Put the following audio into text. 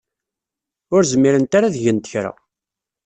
Ur zmirent ara ad gent kra.